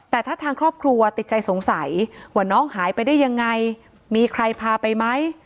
แต่ถ้าทางครอบครัวติดใจสงสัยว่าน้องหายไปได้ยังไงมีใครพาไปไหม